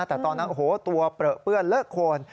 แต่ตอนนั้นโอ้โหตัวเปลื้อเปื้อนเลอะโคน